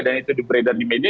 dan itu beredar di media